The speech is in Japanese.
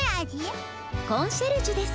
コンシェルジュです。